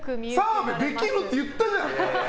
澤部できるって言ったじゃん！